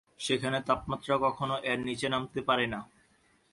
সেখানে তাপমাত্রা কখনও এর নীচে নামতে পারে না।